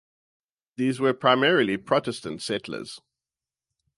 These were primarily Protestant settlers.